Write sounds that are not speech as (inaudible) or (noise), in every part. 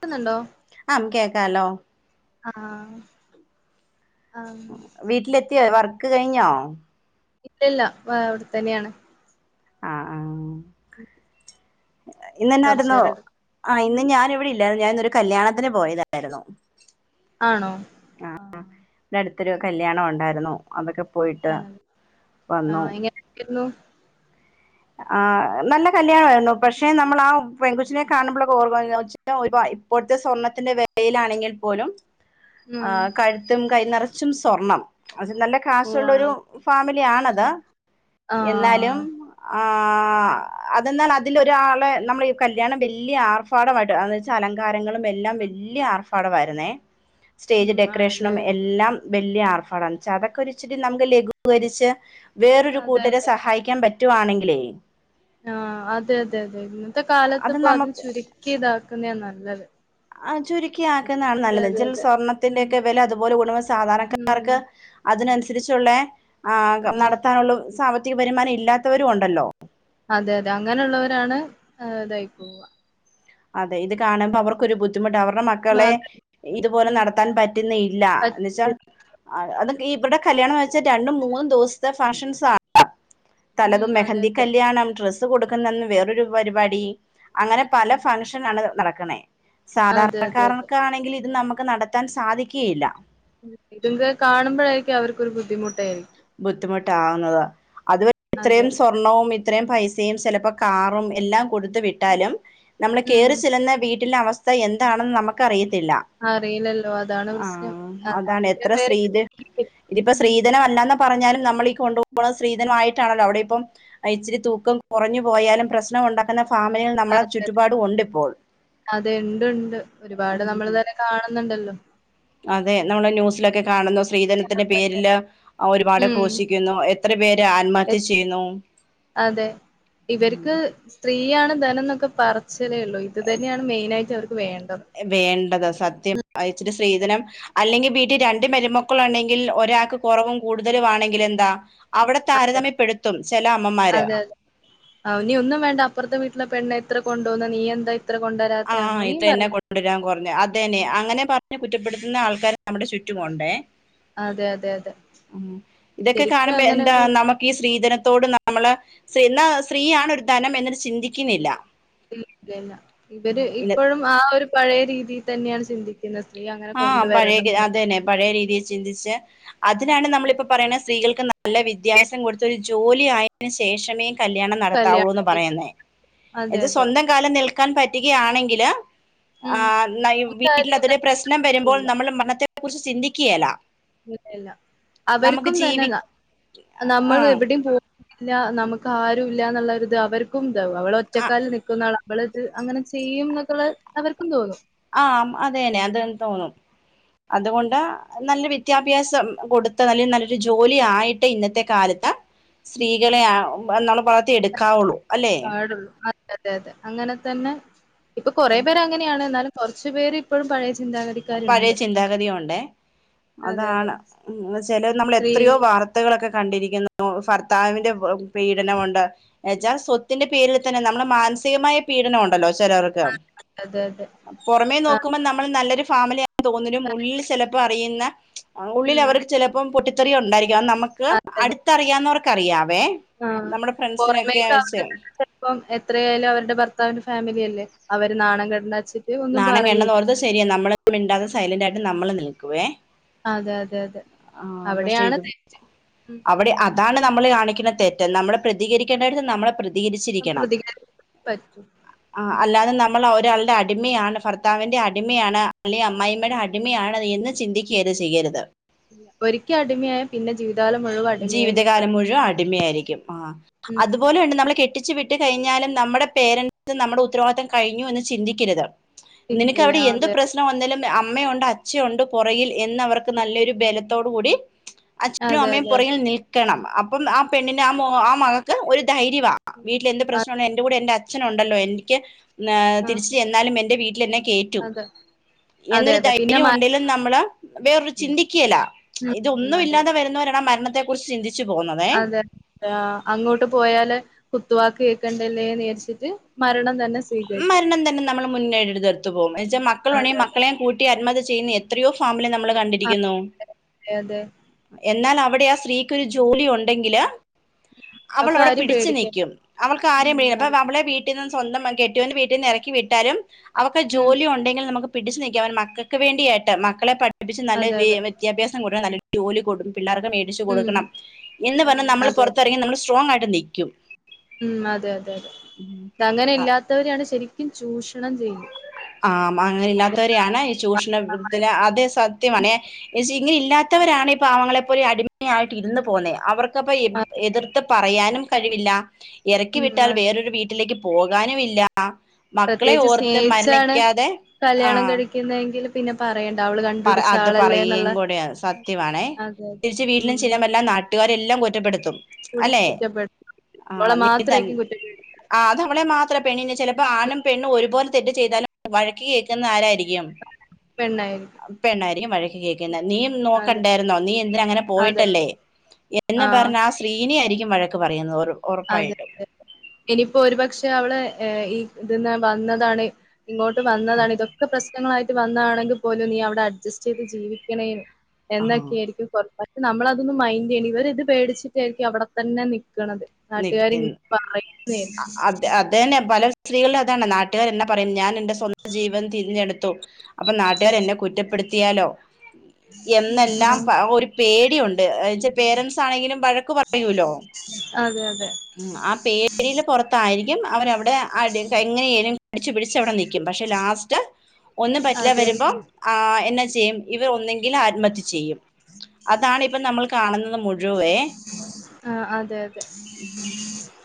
ക്കുന്നുണ്ടോ ആം കേക്കാലോ ആ ആ ത്തിയോ? വർക്ക് കഴിഞ്ഞോ? ഇല്ലില്ല വ് അവിടെത്തന്നെയാണ് അ ആ കൊറച്ചു ഇന്നന്നായിരുന്നോ നേരം എടു ആ ഇന്ന് ഞാൻ ഇവിടി ഞാൻ ഞാനിന്നൊരു കല്യാണത്തിന് പോയതായിരുന്നു ആണോ ആ ത്തൊരു കല്യാണം ഉണ്ടായിരുന്നു അതൊക്കെ പോയിട്ട് വന്നു ആഹ് എങ്ങനെയായിരുന്നു ആ നല്ല കല്യാണവാരുന്നു പക്ഷെ നമ്മൾ ആ പെൺകൊച്ചിനെ കാണുമ്പോള്ളൊക്കെ ഓർക്കും ഇപ്പോഴത്തെ സ്വർണ്ണത്തിന്റെ വിലയിലാണെങ്കിൽ പോലും ആ ഉം കഴുത്തും കൈ നിറച്ചും സ്വർണം അത് നല്ല കാശുള്ളൊരു പോവാണോ ഫാമിലി ആണത് എന്നാലും ആഹ് ആ അതെന്നാൽ അതിലൊരാള് നമ്മള് ഈ കല്ല്യാണം വലിയ ആർഭാടമായിട്ട് എന്നുവെച്ചാൽ അലങ്കാര ത്തങ്ങളും എല്ലാം വലിയ ആർ പടവാര്ന്നേ സ്റ്റേജ് ഉം ഡെക്കറെഷ്നും ആണല്ലേ എല്ലാം വല്ല്യ ആർഭാഡം എന്നുവച്ചാ അതൊക്കെ ഒരിച്ചിരി നമുക്ക് ലഘൂകരിച്ച് വേറൊരു അതെ കൂട്ടരെ സഹായിക്കാൻ പ പറ്റുവാണെങ്കിലേ ആ അതെ അതെ അതെ ഇന്നത്തെ കാലത്ത് അത് ഇപ്പോ അതും നമുക്ക് ചുരുക്കിയതാ ക്കുന്നേയാ നല്ലത് ആ ചുരി ക്കി ആക്കുന്നതാണ് അതെ നല്ലത് എന്ന് അതെ വച്ചാൽ അതെ ഉം സ്വർണത്തിന്റെയൊക്കെ വില അതുപോലെ കൂടുമ്പം ഉം സാധാരണക്കാർക്ക് അതിനനുസ രിച്ചൊള്ളേ ആകെ ആഹ് നടത്താനുള്ള സാ മ്പത്തിക വരുമാനം ഇല്ലാത്തവരും ഉണ്ടല്ലോ അതെ അതെ അങ്ങനെയുള്ളവരാണ് ഇതായി പോവുക അതെ ഇത് കാണുമ്പോ അവർക്കൊരു ബുദ്ധിമുട്ട് അവരുടെ ഉം മക്കളെ അതെ ഇതുപോലെ ഉം നടത്താൻ പറ്റുന്നില്ല എന്ന് വെച്ചാൽ പറ്റും അത് ഇവിടെ കല്യാണമെന്ന് വെച്ചാൽ രണ്ടും മൂന്നും ദിവസത്തെ ഫംഗ്ഷൻസ് ആണ് ഉം തലേന്ന് അതെ മെഹന്തി അതെ കല്യാണം ഡ്രസ്സ് അത് കൊടുക്ക്ന്നന്ന് വേറൊരു പരിപാടി മ് ഉം റ്റും നല്ലത് നടക്കണേ അതെ അതെ അതെ സാധാരണക്കാർക്കാണെങ്കില് ഇത് നമ്മ ക്ക് നടത്താൻ സാധിക്കെയില്ല ഉം ഇതിന്റെ കാണുമ്പഴായിരിക്കും അവർക്കൊരു ബുദ്ധിമുട്ടേ ബുദ്ധിമുട്ടാവുന്നതാ അത് അതെ ഇത്രയും സ്വർണ്ണവും ഇ ഇത്രേം പൈസയും ചെലപ്പോ കാറും എല്ലാം കൊടുത്ത് ഉം വിട്ടാലും നമ്മള് ഉം. കേറി ചെല്ലുന്ന വീ അവസ്ഥ എന്താണെന്ന് നമുക്കറി അറിയില്ലല്ലോ അതാണ് ആ പ്രശ്നം അതാണ് ചില പേര് (unintelligible) ഇതിപ്പോ ഉം സ്ത്രീധനം (unintelligible) പറഞ്ഞാലും നമ്മളീ കൊണ്ടുപോണ സ്ത്രീധനമായിട്ടാണല്ലോ അവിടെ ഇപ്പം ഇച്ചിരി തൂക്കം കുറഞ്ഞു പോയാലും പ്രശ്നം ഉണ്ടാക്കുന്ന ഫാമിലികൾ നമ്മളെ അതെ ചുറ്റുപാടും ഉണ്ട് ഇപ്പോൾ അതെ ഉണ്ട് ഉണ്ട് ഒരുപാട് നമ്മൾ ഉം തന്നെ കാണുന്നുണ്ടല്ലോ അതെ നമ്മള് ന്യൂസിലക്കെ കാണുന്ന സ്ത്രീധനത്തിന്റെ (unintelligible) ഒരുപാട് ഉം ക്രോശിക്കുന്നു എത്ര പേര് ആത്മഹത്യ എത് ചെയ്യുന്നു അതെ പർച്ച് വേണ്ടത് വേണ്ടത് സത്യം വച്ചിട്ട് അതെ സ്ത്രീധനം അല്ലെങ്കിൽ വീ രണ്ട് മരുമക്കൾ ഉണ്ടെങ്കിൽ ഒരാൾക്ക് കുറവും കൂടുതലും ആണെങ്കിൽ എന്താ അവിടെ അതെ താരതമ്യപ്പെടുത്തും ചില അമ്മമാര് അതെ അതെ അവന് ഒന്നും വേണ്ട അപ്പുറത്തെ വീട്ടിലെ പെണ്ണ അത്ര കൊണ്ടുോന്ന നീ എന്താ ഇത്ര ആ കൊണ്ടുവരാത്തെ ഇത് അങ്ങനെയും തന്നെ പറയും കൊണ്ടുവരാൻ (unintelligible) അതന്നെ അങ്ങനെ (unintelligible) അങ്ങനെ കുറ്റപ്പെടുത്തുന്ന ആൾക്കാര് നമ്മുടെ ചുറ്റുമുണ്ടേ അതെ അതെ അതെ ഇതൊക്കെ ശരിക്കും കാണുമ്പോ അങ്ങനെ എന്താ ഒരു നമുക്ക് ഈ സ്ത്രീധന ത്തോട് നമ്മള് എന്ന സ്ത്രീയാണ് ഒരു ധനം എന്നത് ചിന്തിക്കുന്നില്ല ഇല്ല ഉം. ഇവര് ഇന്ന- ഇപ്പോഴും ആ ഒരു പഴയ രീതി ഇത് തന്നെയാണ് ശരി ആ പഴയ അതന്നെ പഴയ രീതിയിൽ ചിന്തിച്ച് അതിനാണ് നമ്മളിപ്പ അതെ പറയണ സ്ത്രീകൾക്ക് നല്ല വ്യധ്യസം കൊടുത്ത ഒരു ജോലി ആയതിന്ന് ശേഷമേ കല്യാണം കല്യാണം നടത്താവൂന്ന് കഴിക്കും പറയുന്നേ അതെ ഇത് അതെ സ്വന്തം കാലിൽ നിൽ (unintelligible) പറ്റിക്കുകയാണെങ്കില്ല് ഉം ആ നമുക്ക് ആരെയും വീട്ടിലതൊരു പ്രശ്ന വരുമ്പോൾ തരത്തില്ല. (unintelligible) അത്തെ കുറിച്ച് ചിന്തിക്കയല്ല ഇല്ലല്ല അവർക്കും ജീവി തന്നെല്ല ആ നമ്മൾ എവിടെയും പോ ഇല്ല നമുക്ക് ആരും ഇല്ലന്നുള്ളരിത് അവർക്കും അവളെ ആ ഒറ്റക്കാലിൽ നിൽക്കുന്ന ആള ഇവളത് അങ്ങനെ ചെയ്യും എന്നൊക്കെയുള്ള അവർക്കും തോന്നും ആ അതന്നെ അതെന്ന് തോന്നും അതുകൊണ്ട് നല്ല ഉം വിദ്യാഭ്യാസം കൊടു നല്ല നല്ലൊരു ജോലി ആയിട്ട് ഇന്നത്തെ കാലത്ത് ഉം. സ്ത്രീകളെ ആ (unintelligible) എടുക്കാവുള്ളു അല്ലേ പാടുള്ളൂ അതെ അതെ അതെ അങ്ങനെ തന്നെ ഇപ്പൊ കുറേ പേര് അങ്ങനെയാണ് എന്നാലും കുറച്ച് പേര് ഇപ്പഴും പഴയ പഴയ ചിന്താഗതിക്കാരുണ്ട് ചിന്താഗതി ഉണ്ട് അതെ അതെ അതാണ് ചില നമ്മൾ സ്ത്രീ എത്രയോ വാർത്തകളൊക്കെ കണ്ടിരിക്കുന്നു ഭർത്താവിന്റെ പീഡനമുണ്ട് എന്ന വച്ചാൽ സ്വത്തിന്റെ പേരിൽ തന്നെ നമ്മുടെ മാനസികമായ പീഡനമുണ്ടല്ലോ ചെലർക്കു അതെ അതെ പൊറമേ ആ നോക്കുമ്പ നമ്മള് നല്ലൊരു ഫാമിലി തോന്നതിനും ഉള്ളിൽ ചിലപ്പോ പെയ്യുന്ന ആ ഉള്ളിൽ ഉം അവർക്ക് ചിലപ്പം പൊട്ടി (unintelligible) തെറിഉണ്ടായി നമുക്ക് അതെ അതെ അടുത്തറിയാന്ന് പറഞ്ഞ ക്കറിയാം ആ പുറമേക്കെ ആ വെച്ച് ചിലപ്പോം എത്രയായാലും അവരുടെ ഭർത്താവിന്റെ ഫാമിലി അല്ലേ അവര് നാണം കെടണ്ട വച്ചിട്ട് ഒന്നും നാണം പറയൂല കേടെണ്ടെന്ന് ഓർത്ത് ശരി നമ്മള് മിണ്ടാതെ സൈലന്റ് ആയിട്ട് നമ്മള് നിൽ കു വേ അതെ അതെ അതെ പക്ഷെ അവിടെയാണ് ഇത് തെറ്റ് ഉം അവിടെ അതാണ് നമ്മള് ണിക്കുന്ന തെറ്റ് നമ്മള് പ്രതികരിക്കേണ്ടെട്ത് നമ്മള് പ്രതികരിച്ചിരിക്കണം പ്രതികരിക്കാൻ പറ്റും ആ ഉം അല്ലാതെ നമ്മൾ ഒരാൾ അടിമയാണ് ഭർത്താവിൻ്റെ അടിമയാണ് അല്ലെ ഉം അമ്മായിമ്മയുടെ അടിമയാണ് എന്ന് ചിന്തിക്കെ ചെയ്യരുത് ഒരിക്കൽ അടിമയായ പിന്നെ ജീവിത ജീവിതകാലം മുഴുവൻ അടിമ ആയിരിക്കും ആ ഉം അതുപോലെ ഉണ്ട് നമ്മള് കെ ട്ടിച്ചു വിട്ട് കഴിഞ്ഞാലും നമ്മുടെ പേരൻസിന് നമ്മടെ ഉത്തരവാദിത്തം കഴിഞ്ഞു എന്ന് ചിന്തിക്കരുത് നിനക്ക് പിന്നില്ല അവിടെ എന്ത് അതെ അതെ പ്രശ്നം വന്നാലും അമ്മയുണ്ട് അച്ഛയുണ്ട് പൊറകിൽ എന്ന് അവർക്ക് നല്ലൊരു ബലത്തോടു കൂടി അച്ഛനും അതെ അമ്മയും അതെ അതെ പൊറകിൽ നിൽക്കണം അപ്പം ആ പെണ്ണിന് ആ മോ ആ മകൾക്ക് ഒരു ധൈര്യമാ അ വീട്ടിലെന്ത് പ്രശ്നുണ്ടെങ്കിലും എന്റെ കൂടെ എന്റെ അച് അച്ഛനുണ്ടല്ലോ എനിക്ക് ന് ആഹ് തിരിച്ച് ചെന്നാലും എൻ്റെ വീട്ടിലെന്നെ കേറ്റും അതെ അതെ എന്നൊരു അതെ പിന്നെ ധൈര്യം മ ഉണ്ടേലും നമ്മള് വേറൊരു ചിന്തിക്ക്യേല ഉം അതെ ഇതൊന്നുല്ലാതെ വരുന്നവരാണ് ആ മര ന്നത്തെ കുറിച് ചിന്തിച് അതെ ല്ല അങ്ങോട്ട് പോയാല് കുത്തുവാക് കേ ക്കണ്ടല്ലേ വിചാരിച്ചിട്ട് മരണം തന്നെ സ്വീകരിക്കും മരണം തന്നേ നമ്മൾ മുന്നേ എടു എടുത്തു പോം എ എന്ന വച്ചാൽ അതെ മക്കൾണ്ടെങ്കിൽ അതെ മക്കളേം കൂട്ടി അ (unintelligible) എത്രയോ ഫാമിനെ നമ്മള് കണ്ടിരിക്കുന്നു അതെ എന്നാ നമ്- ഇവിടെ ആ സ്ത്രീക്കൊരു ജോലി ഒണ്ടെങ്കില്- ഒക്കെ അവളവിടെ ആരും പിടിച്ചു പേടിക്കണ്ട നിക്കും അവൾക്ക് ആരേം ഉം വേ അതെ അവളെ വീട് (unintelligible) കെട്ട്യോന് വീട്ടീന്ന് എറക്കി വിട്ടാലും അവക്ക് ഉം ജോലിയൊണ്ടെങ്കിൽ നമുക്ക് പിടിച്ചു നിൽക്കാ അവൻ മക്കൾക്ക് വേണ്ടിയായിട്ട് മക്കളെ പഠ ടിപിച്ച് നല്ലൊരു അതെ വി അതെ വിദ്യാഭ്യാസം കൊടു നല്ല- ജോലി കൊടു പിള്ളേർക്ക് മേടിച്ചു ഉം കൊടുക്കണം എന്ന് പറഞാ ഉം നമ്മൾ അതെ അതെ പുറത്തിറങ്ങി നമ്മൾ സ്ട്രോങ് ആയിട്ട് അത് നിക്കും ഉം അതെ അതെ അതെ അത അങ്ങനെ ഇല്ലാതെ ത്തോരെയാണ് ശരിക്കും ചൂഷണം ചെയ്യു ആ മ അങ്ങനെ ഇല്ലാത്തവരെയാണ് ഈ ചൂഷണത്തിന് അതേ സത്യമാണേ ഇങ്ങനെ ഇല്ലാത്തവരാണ് ഈ പാവങ്ങളെ പോലെ അടിമയായിട്ട് ഇര്ന്ന് പൊന്നേ അവർക്ക് ത് അപ്പൊ അതെ. എതിർത്ത് പറയാൻ നും കഴിവില്ല എറക്കി ഉം വിട്ടാൽ അതെ വേറൊരു വീട്ടിലേക്ക് പോകാനുംവില്ല മക്കളെ പ്രത്യേകിച്ച് ഓർത്ത് മരണി സ്നേഹിച്ചാണ് കല്യാണം കഴിക്കുന്നതെകിൽ പിന്നെ പറ പറ അത് പറയുകയും കൂടെ സത്യവാണെ അതെ അതെ തിരിച്ച് വീട്ടിലും ഉം ചെല്ലാൻ പറ്റില്ല നാട്ടി ട്ടുകാരെല്ലാം കുറ്റപ്പെടുത്തും കൂടി അല്ലെ കുറ്റപ്പെടുത്തും ആ കുട്ടികളെ നീ തന്നെ മാത്രായിരിക്കും കുറ്റപ്പെടുത്തുക ആതവളെ മാത്രം പെണ്ണെ ചിലപ്പോ ആണും പെണ്ണും ഒരുപോലെ തെറ്റ് ചെയ്താലും വഴക്ക് കേൾക്കുന്ന ആരായിരിക്കും പെണ്ണായി പെണ്ണാരി വഴക്ക് കേൾക്കുന്നത് നീ അതെ നോക്കണ്ടായിരുന്നോ നീ എന്തിന അങ്ങനെ അതെ പോയിട്ടല്ലേ എന്ന് പറഞ് ആ സ്ത്രീനെ ആരിക്ക വഴക്ക് പറയുന്നത് ഓരോ അതെതെ ഇനിപ്പോ ഒരുപക്ഷെ പക്ഷെ അവള് ഈ ഇതിന്ന് വന്നതാണ് ഇങ്ങോട്ട് വന്നതാണ് ഇതൊക്കെ പ്രശ്നങ്ങളായിട്ട് വന്നാണെങ്കിൽ പോലും നീ അവിടെ അഡ്ജസ്റ്റ് ചെയ്ത് ജീവിക്കണേന് ആ എന്നൊക്കെ ആയിരിക്കും കൊറ നമ്മളതൊന്ന് മൈൻഡ് ചെയ്യണം ഇവർ ഇത് പേടിച്ചിട്ടായിരിക്കും അവിടെത്തന്നെ നിക്കണത് നാട്ടുകാര് നിക്കുന്നു ഇങ്ങനെ പറയുന്നേ അത് അത്തന്നെ പല സ്ത്രീകള അതാണ് നാുകാര് എന്നാ പറയും ഞൻ സ്വന്തം ജീവൻ തിരഞ്ഞെടുത്തു അപ്പം നാട്ടുകാര് എന്നെ കുറ്റപ്പെടുത്തിയാലോ എന്നെല്ലാം ആഹ് പ ഒരു പേര് ടി ഉണ്ട് അയച്ച പേരന്റ്സ് ആണെങ്കിലും വഴക്ക് പറയൂലോ അതെ അതെ ആ പേടിൽ പുറത്തായിരിക്കും അവരവിടെ എങ്ങനെയാലും കടിച്ചു പിടിച്ച് അവിടെ നിൽക്കും പക്ഷെ ലാസ്റ്റ് ഒന്നും പറ്റില്ല അതെ വരുമ്പോം ആ എന്നാ ചെയ്യും ഇവർ ഒന്നെങ്കിലും ആത്മഹത്യ ചെയ്യും അതാണ് ഇപ്പ നമ്മൾ കാണുന്നത് മുഴുവേ ആഹ് അതെ അതെ ഉ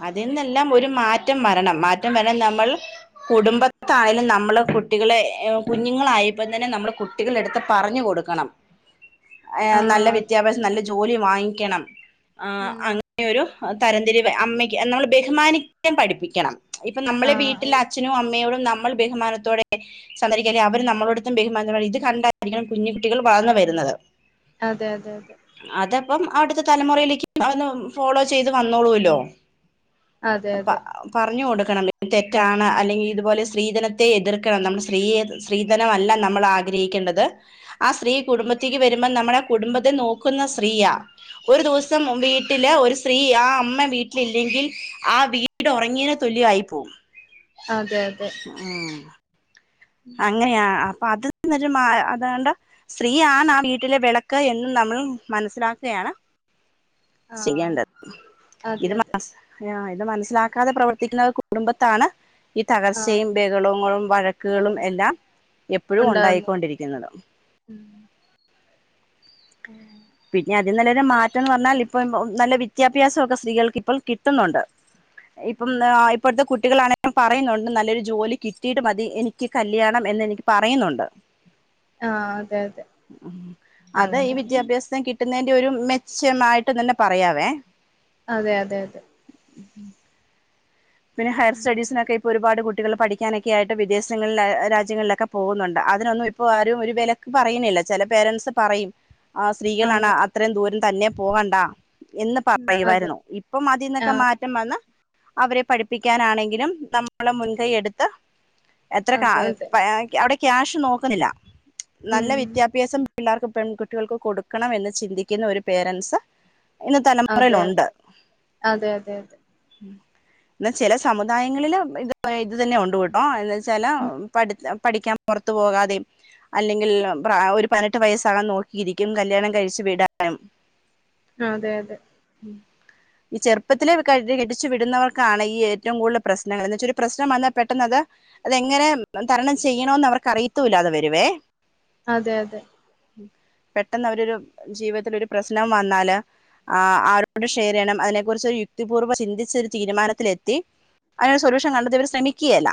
അതിൽന്നെല്ലാം ഒരു മാറ്റ മാറ്റം വരണം മാറ്റം വരാൻ നമ്മൾ കുടുംബത്താണേലും നമ്മള് കുട്ടികളെ കുഞ്ഞുങ്ങളായപ്പോം തന്നെ നമ്മൾ കുട്ടികള എടുത്ത് പറഞ്ഞു കൊടുക്കണം ആ നല്ല ആഹ് അതെ വിദ്യാഭ്യാസം നല്ല ജോലി വാങ്ങിക്കണം ആ ഉം അങ്ങനെയൊരു തരംതിരിവെ അമ്മയ്ക്ക് നമ്മൾ ബഹുമാനിക്കാൻ പഠിപ്പിക്കണം ഇപ്പം നമ്മളെ ആഹ് വീട്ടിലെ അച്ഛനും അമ്മയോടും നമ്മൾ ബഹുമാനത്തോടെ സന്ദരിക്കല്ലേ അവര് നമ്മളോടത്തും ബഹുമാനത്തോടെ ഇത് കണ്ടായിരിക്കണം കുഞ്ഞ കുട്ടികൾ വളർന്നു വരുന്നത് അതെ അതെ അതെ അപ്പം അടുത്തെ തലമുറയിലേക്ക് അതൊന്നു ഫോളോ ചെയ്ത് വന്നോളൂല്ലോ അതെ പ്പ പറഞ്ഞു കൊട് ക്കണം തെറ്റാണ് അല്ലെങ്കിൽ ഇതുപോലെ സ്ത്രീധനത്തെ എതിർക്കണം നമ്മൾ സ്ത്രീയെ സ്ത്രീധനം അല്ല നമ്മൾ ആഗ്രഹിക്കേണ്ടത് ആ സ്ത്രീ കുടുംബത്തേക്ക് വരുമ്പോൾ നമ്മളെ കുടുംബത്തെ നോക്കുന്ന സ്ത്രീയാ ഒരു ദിവസം മുമ്പേയി ത്തില് ഒരു സ് സ്ത്രീ ആ അമ്മ വീട്ടിലില്ലെങ്കിൽ ആ വീട് ഒറങ്ങീയേന് തുല്യായി പോവും അതെ അതെ അതെ അതെ ആഹ് അങ്ങനെയാ ആ ആഹ് അത് എന്നിട്ട് മാ അതൊണ്ട് സ്ത്രീയാണ് ആ വീട്ടിലെ വിളക്ക് എന്നും നമ്മൾ മനസ്സിലാക്കയാണ് ആഹ് ചെയ്യാണ്ടത് അതെ അതെ അത് മനസ്സിലാക്കാതെ പ്രവർത്തിക്കുന്ന കുടുംബത്താണ് ഈ ആഹ് തകർച്ചയും ബഹളോങ്ങളും വഴക്കുകളും ഉണ്ടാവുന്നു എല്ലാം എപ്പഴും ഉണ്ടാവുന്നു ഉണ്ടായിക്കൊണ്ടിരിക്കുന്നത് ഉം ആഹ് പിന്നെയത് ഇതിന്നെല്ലാം ഒരു മാറ്റന്ന് പറഞ്ഞാൽ ഇപ് ഇപ്പം നല്ല വിദ്യാഭ്യാസൊക്കെ സ്ത്രീകൾക്ക് ഇപ്പോൾ കിട്ടുന്നുണ്ട് ഇപ്പം ഉം ആ ഇപ്പോഴത്തെ കുട് കുട്ടികളാണെ പറയുന്നുണ്ട് നല്ലൊരു ജോലി കിട്ടിയിട്ട് മതി എനിക്ക് കല്യാണം എന്നെനിക്ക് പറയുന്നുണ്ട് ആഹ് അതെ അതെ ഉം അതെ ഈ അങ്ങനെ വിദ്യാഭ്യാസം കിട്ടു ന്നെൻ്റെ ഒരു മെച്ചമായി ട്ടും തന്നെ പറയാവേ അതെ അതെ അതെ പിന്നെ ഹയർസ്റ്റഡീസിനൊക്കെൊ ഇപ്പൊ ഒരുപാട് കുട് കുട്ടികൾ പഠിക്കാനൊക്കെ ആയിട്ട് വിദേശങ്ങളില് രാജ്യങ്ങളിലൊക്കെ പോകുന്നുണ്ട് അതിനൊന്നും ഇപ്പോ ആരും ഒരു വെലക്ക് പറയുന്നില്ല ചെല പേരൻസ് പറയും ആ സ്ത്രീകളാണ് ആഹ് അത്രയും ദൂരം തന്നെ പോകണ്ടാ എന്ന് ഉം അതെ പറയുവായിരുന്നു ഇപ്പം അതീന്നൊക്കെ ആഹ് മാറ്റം വന്ന് അവരെ പ് പഠിപ്പിക്കാനാണെങ്കിലും നമ്മള് മുൻകൈ എടുത്ത് എത്ര കാ അതെ അതെ (unintelligible) അവിടെ ക്യാഷ് നോക്കെലില്ലാ നല്ല ഉം വിദ്യാഭ്യാസം പിള്ളേർക്ക് പെൺകുട്ടികൾക്ക് കൊടുക്കണം എന്ന് ചിന്തിക്കുന്ന ഒരു പേരൻസ് അതെതെ അതെ അതെ അതെ എന്നാ ചെല സമുദായങ്ങളിൽ ഇത് ഇത് തന്നെ ഉണ് കേട്ടോ എന്നാവെച്ചാ ചെലമ് പഠിത്ത പഠിക്കാൻ പെറത്ത് പോകാതേം അല്ലെങ്കിൽ ഒരു പ്രാ പതിനെട്ട് വയസ്സാകാൻ നോക്കിയിരിക്കും കല്യാണം കഴിച്ച്‌ വിടാൻ അതെ അതെ ഈ ചെറുപ്പത്തിലെ കരുതി കെട്ടിച് വിടുന്നവർ ക്കാണ് ഈ ഏറ്റവും കൂടുതൽ പ്രശ്നങ്ങൾ എന്ന് വെച്ചാ പ്രശ്നം വന്നാ പെട്ടെന്നത് അതെങ്ങനെ തരണം ചെയ്യണോന്ന് അവർക്ക് അറിയത്തൂല്ലാതെ വരുവേ. അതെ അതെ പെട്ടെന്ന് അവരോരു ജീവിതത്തിലൊരു പ്രശ്നം വന്നാല് ആ ആരോട് ഷെയർ ചെയ്യണം അതിനെ കുറിച്ച് യുക്തിപൂർവ്വം ചിന്തിച്ച് തീരുമാനത്തിലെത്തി അതിനൊരു സൊല്യൂഷൻ കണ്ടെത്തി ഇവർ ശ്രമിക്കേല്ല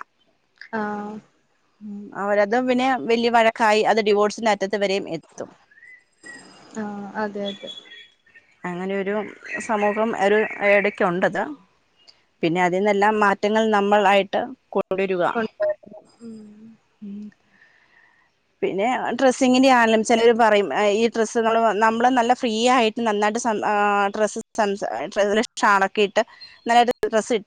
ആ ഉം അവരതും പിന്നെ വലിയ വഴക്കായി അത് ഡിവോഴ്സിന്റെ റ്റത്ത് വരേം എത്തും. ആഹ് അതെ അതെ അങ്ങനെയൊരു സമൂഹം ഒരു ഇടയ്ക്കുണ്ടത്. പിന്നെ അതിന്നെല്ലാം മാറ്റങ്ങൾ നമ്മൾ ആയിട്ട് കൊ കൊണ്ട് മ്മ് പിന്നെ ഡ്രെസ്സിങ്ങിന്റെ ആണെങ്കിലും ചിലര് പറയും ഈ ഡ്രസ്സ്കള് നമ്മള് നല്ല ഫ്രീ ആയിട്ട് നന്നായിട്ട് സം ആ ഡ്രസ്സ് സംസാ ഷാളക്കയിട്ട് നല്ലായിട്ട് ഡ്രസ്സിട്ടാ